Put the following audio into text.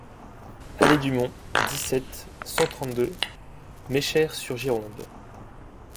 Allée du Mont, dix-sept, cent trente-deux Meschers-sur-Gironde